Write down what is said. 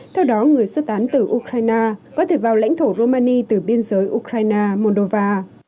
theo đó người sơ tán từ ukraine có thể vào lãnh thổ romania từ biên giới ukraine moldova